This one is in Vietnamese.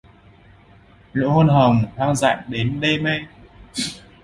Nụ hôn nồng hoang dại đến đê mê.